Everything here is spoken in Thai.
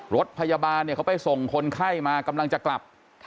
รถพยาบาลเขาไปส่งคนไข้มากำลังจะกลับ